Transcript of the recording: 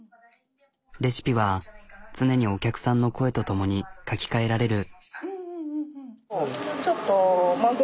レシピは常にお客さんの声と共に書き換えられる。